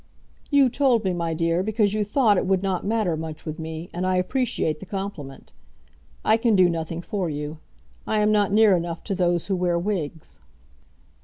"You told me, my dear, because you thought it would not matter much with me, and I appreciate the compliment. I can do nothing for you. I am not near enough to those who wear wigs."